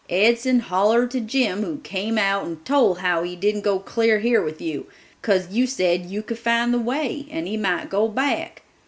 Edson hollered to Jim, who came out and told how he didn't go clear here with you, cause you said you could find the way, and he might go back.